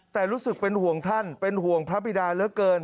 แต่รู้สึกเป็นห่วงท่านเป็นห่วงพระบิดาเหลือเกิน